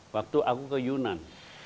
waktu aku ke yunan